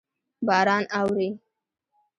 باران اوري.